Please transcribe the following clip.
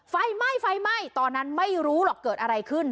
ไฟไหม้ไฟไหม้ตอนนั้นไม่รู้หรอกเกิดอะไรขึ้น